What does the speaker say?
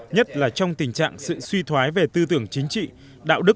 nhất là trong tình trạng sự suy thoái về tư tưởng chính trị đạo đức